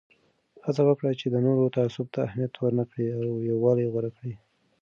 هڅه وکړه چې د نورو تعصب ته اهمیت ورنه کړې او یووالی غوره کړه.